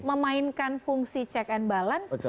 memainkan fungsi check and balance